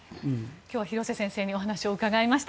今日は広瀬先生にお話を伺いました。